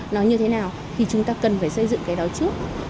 nó như thế nào thì chúng ta cần phải xây dựng cái đó trước